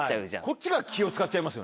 こっちが気を使っちゃいますよね。